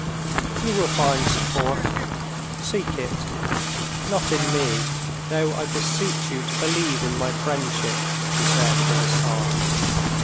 "You will find support; seek it—not in me, though I beseech you to believe in my friendship," she said, with a sigh.